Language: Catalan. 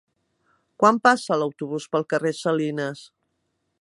Quan passa l'autobús pel carrer Salines?